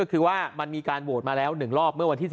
ก็คือว่ามันมีการโหวตมาแล้ว๑รอบเมื่อวันที่๑